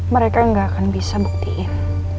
mereka nggak akan bisa buktiin